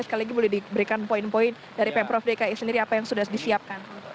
sekali lagi boleh diberikan poin poin dari pemprov dki sendiri apa yang sudah disiapkan